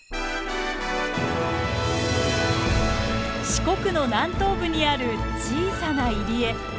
四国の南東部にある小さな入り江。